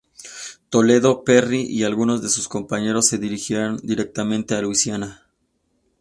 Toledo, Perry y algunos de sus compañeros se dirigieron directamente a Luisiana.